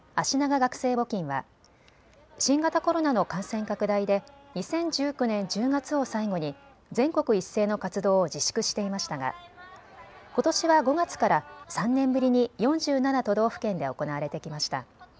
学生募金は新型コロナの感染拡大で２０１９年１０月を最後に全国一斉の活動を自粛していましたがことしは５月から３年ぶりに４７都道府県で行われてきました。